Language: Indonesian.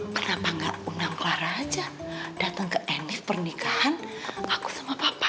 kenapa nggak undang clara aja dateng ke enlist pernikahan aku sama papa